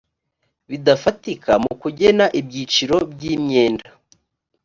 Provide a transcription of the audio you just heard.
bidafatika mu kugena ibyiciro by imyenda